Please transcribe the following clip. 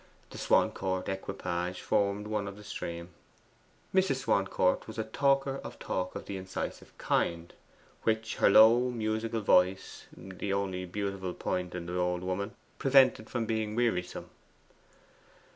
The Swancourt equipage formed one in the stream. Mrs. Swancourt was a talker of talk of the incisive kind, which her low musical voice the only beautiful point in the old woman prevented from being wearisome.